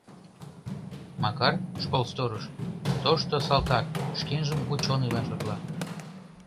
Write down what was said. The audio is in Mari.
Макар — школ сторож, тошто салтак, шкенжым учёныйлан шотла.